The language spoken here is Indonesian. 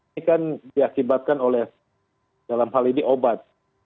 nah obat ini sebelum diproduksi dan sebelum diedarkan itu melalui tindakan